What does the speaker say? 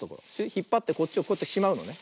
ひっぱってこっちをこうやってしまうのね。